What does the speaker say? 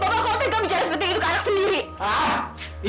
pak bapak konten gak bicara seperti itu ke anak sendiri